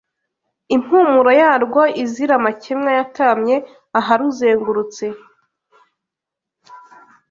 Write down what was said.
impumuro yarwo izira amakemwa yatamye aharuzengurutse.